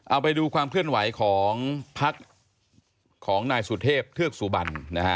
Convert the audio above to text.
เอาไปดูความเคลื่อนไหวของพักของนายสุเทพเทือกสุบันนะฮะ